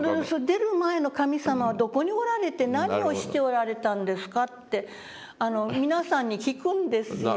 「出る前の神様はどこにおられて何をしておられたんですか」って皆さんに聞くんですよ。